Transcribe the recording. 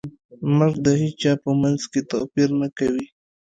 مرګ د هیچا په منځ کې توپیر نه کوي.